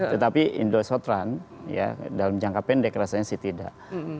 tetapi indosatran dalam jangka pendek rasanya sih tidak